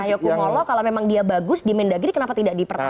kayak pak cahyokungolo kalau memang dia bagus di mendagiri kenapa tidak dipertahankan